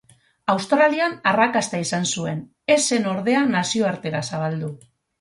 Australian arrakasta izan zuen, ez zen ordea nazioartera zabaldu.